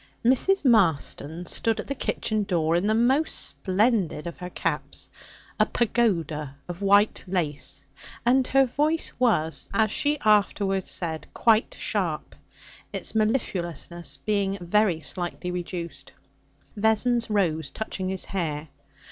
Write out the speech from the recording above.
Mrs. Marston stood at the kitchen door in the most splendid of her caps a pagoda of white lace and her voice was, as she afterwards said, 'quite sharp,' its mellifluousness being very slightly reduced. Vessons rose, touching his hair.